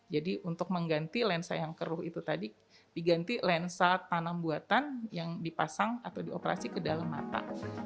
jadi untuk mengganti lensa yang keruh itu tadi diganti lensa tanam buatan yang dipasang atau dioperasikan ke dalam mata